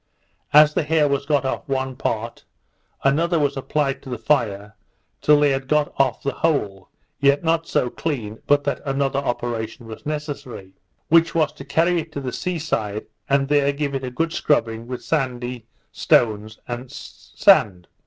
As the hair was got off one part, another was applied to the fire till they had got off the whole, yet not so clean but that another operation was necessary; which was to carry it to the sea side, and there give it a good scrubbing with sandy stones, and sand.